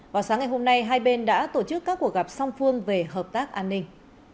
vào sáng ngày hôm nay hai bên đã tổ chức các cuộc gặp song phương về hợp tác an ninh